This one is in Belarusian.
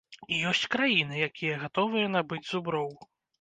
І ёсць краіны, якія гатовыя набыць зуброў.